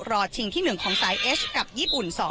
ชิงที่๑ของสายเอสกับญี่ปุ่น๒